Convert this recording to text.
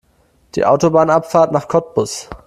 Die Autobahnabfahrt nach Cottbus